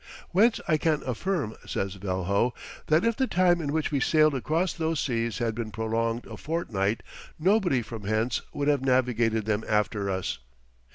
"Whence I can affirm," says Velho, "that if the time in which we sailed across those seas had been prolonged a fortnight, nobody from hence would have navigated them after us....